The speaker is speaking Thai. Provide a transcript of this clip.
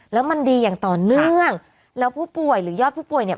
แล้วมันดีอย่างต่อเนื่องแล้วผู้ป่วยหรือยอดผู้ป่วยเนี่ย